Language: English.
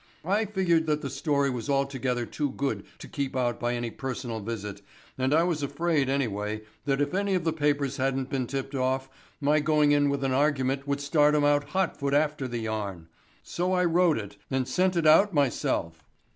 I figured that the story was altogether too good to keep out by any personal visit and I was afraid, anyway, that if any of the papers hadn't been tipped off my going in with an argument would start 'em out hot foot after the yarn. So I wrote it and sent it out myself."